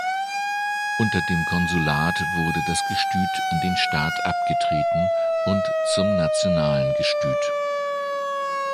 Unter dem Konsulat wurde das Gestüt an den Staat abgetreten und zum nationalen Gestüt.